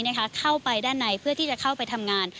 เข้าไปด้านในเพื่อที่จะเข้าไปทำงาน